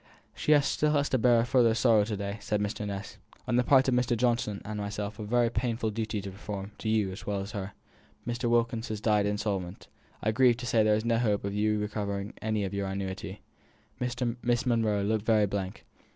"She has had to bear a still further sorrow to day," said Mr. Ness. "On the part of Mr. Johnson and myself I have a very painful duty to perform to you as well as to her. Mr. Wilkins has died insolvent. I grieve to say there is no hope of your ever receiving any of your annuity!" Miss Monro looked very blank.